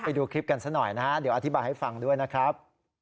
ไปดูคลิปกันซะหน่อยนะฮะเดี๋ยวอธิบายให้ฟังด้วยนะครับ